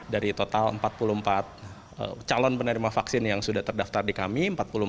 dari total empat puluh empat calon penerima vaksin yang sudah terdaftar di kami